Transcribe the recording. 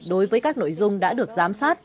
đối với các nội dung đã được giám sát